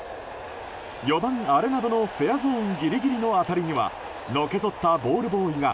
４番、アレナドのフェアゾーンギリギリの当たりにはのけ反ったボールボーイが